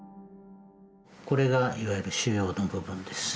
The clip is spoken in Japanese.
これがいわゆる腫瘍の部分です。